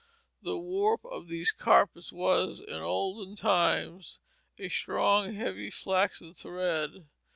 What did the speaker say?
The warp of these carpets was, in olden times, a strong, heavy flaxen thread.